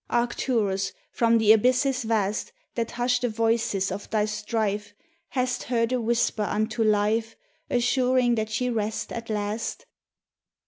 Arcturus! from the abysses vast That hush the Voices of thy strife, Hast heard a whisper unto Life, Assuring that she rest at last?